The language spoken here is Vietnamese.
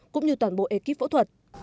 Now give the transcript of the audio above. cũng như toàn bộ ekip phẫu thuật